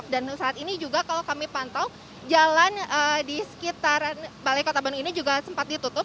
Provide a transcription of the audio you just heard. dan saat ini juga kalau kami pantau jalan di sekitar balai kota bandung ini juga sempat ditutup